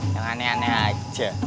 yang aneh aneh aja